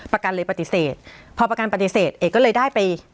ประกันเลยปฏิเสธพอประกันปฏิเสธเอกก็เลยได้ไป